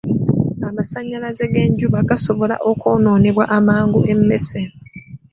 Amasannyalaze g'enjuba gasobola okwonoonebwa amangu emmese.